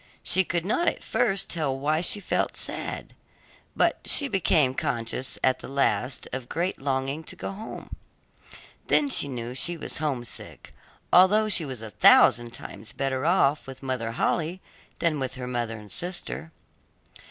She could not at first tell why she felt sad, but she became conscious at last of great longing to go home; then she knew she was homesick, although she was a thousand times better off with Mother Holle than with her mother and sister.